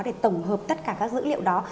để tổng hợp tất cả các dữ liệu đó